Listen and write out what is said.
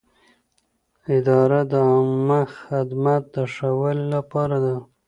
اداره د عامه خدمت د ښه والي لپاره ده.